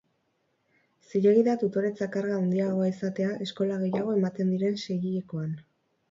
Zilegi da tutoretza-karga handiagoa izatea eskola gehiago ematen diren seihilekoan.